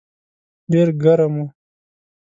ډېر ګرم و.